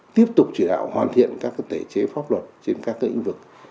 tiếp tục chỉ đạo hoàn thiện các tế chế pháp luật trên các tư ứng vực